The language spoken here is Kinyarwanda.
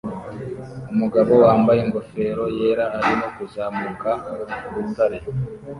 Umugabo wambaye ingofero yera arimo kuzamuka urutare